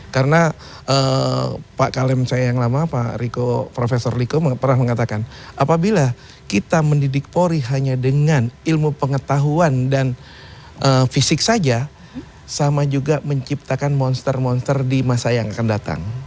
karena pak kalem saya yang lama prof riko pernah mengatakan apabila kita mendidik pori hanya dengan ilmu pengetahuan dan fisik saja sama juga menciptakan monster monster di masa yang akan datang